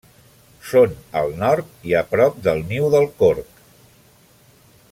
Són al nord i a prop del Niu del Corc.